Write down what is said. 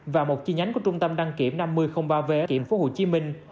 và một chi nhánh của trung tâm đăng kiểm năm mươi ba v kiểm phố hồ chí minh